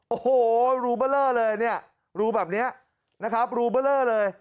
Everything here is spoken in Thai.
โอ้โหรูเบลอเลยรูแบบนี้นะครับรูเบลอเลย